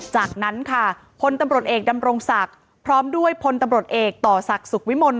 จากนั้นค่ะพลตำรวจเอกดำรงศักดิ์พร้อมด้วยพลตำรวจเอกต่อศักดิ์สุขวิมล